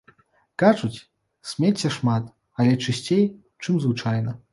Кажуць, смецця шмат, але чысцей, чым звычайна.